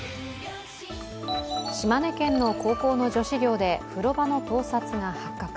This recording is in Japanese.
島根県の高校の女子寮で、風呂場の盗撮が発覚。